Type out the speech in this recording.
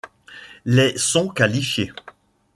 Les sont qualifiées.